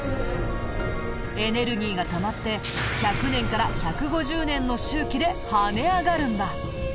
エネルギーがたまって１００年から１５０年の周期で跳ね上がるんだ。